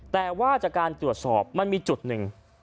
แต่ว่าจากการตรวจสอบมันมีจุดหนึ่ง